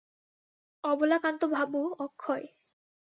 অবলাকান্তবাবু– অক্ষয়।